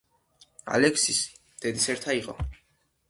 ალექსისი დედისერთა იყო.